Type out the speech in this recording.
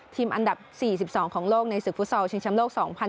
อันดับ๔๒ของโลกในศึกฟุตซอลชิงชำโลก๒๐๑๖